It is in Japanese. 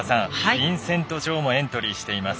ビンセント・ジョウもエントリーしています。